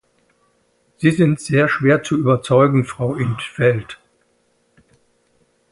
Sie sind sehr schwer zu überzeugen Frau in 't Veld.